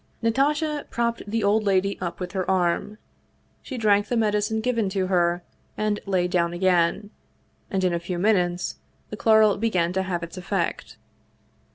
Natasha propped the old lady up with her arm. She drank the medicine given to her and lay down again, and in a few minutes the chloral began to have its effect.